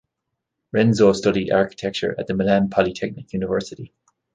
Renzo studied architecture at the Milan Polytechnic University.